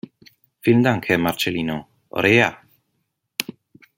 Vielen Dank, Herr Marcelino Oreja.